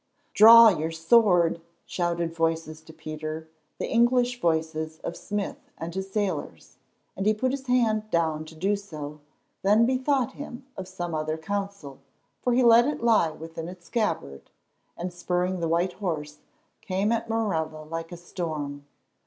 "Draw your sword," shouted voices to Peter—the English voices of Smith and his sailors—and he put his hand down to do so, then bethought him of some other counsel, for he let it lie within its scabbard, and, spurring the white horse, came at Morella like a storm.